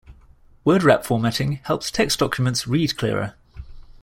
Word wrap formatting helps text documents read clearer.